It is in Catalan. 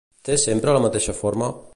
Té sempre la mateixa forma?